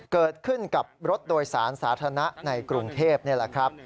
เกิดขึ้นกับรถโดยสารสาธารณะในกรุงเทพนี่แหละครับ